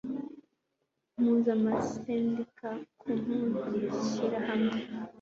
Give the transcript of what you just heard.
mpuzamasendika ku mpuzamashyirahamwe